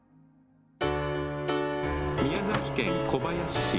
宮崎県小林市。